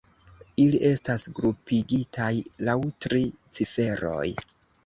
Ili estas grupigitaj laŭ tri ciferoj.